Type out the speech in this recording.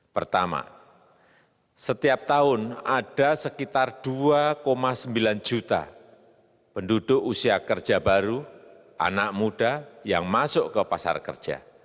pertama setiap tahun ada sekitar dua sembilan juta penduduk usia kerja baru anak muda yang masuk ke pasar kerja